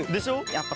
やっぱ。